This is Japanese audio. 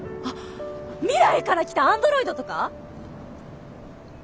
あっ未来から来たアンドロイドとか？